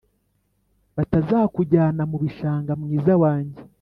Batazakujyana mubishanga mwiza wanjye